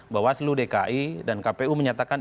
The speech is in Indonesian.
bahwa seluruh dki dan kpu menyatakan